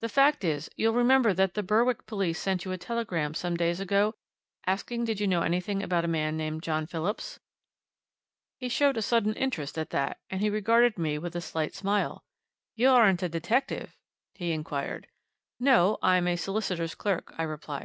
The fact is you'll remember that the Berwick police sent you a telegram some days ago asking did you know anything about a man named John Phillips?" He showed a sudden interest at that, and he regarded me with a slight smile. "You aren't a detective?" he inquired. "No I'm a solicitor's clerk," I replied.